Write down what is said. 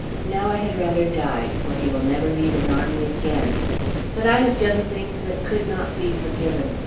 Now I had rather die, for he will never lead an army again. But I have done things that could not be forgiven.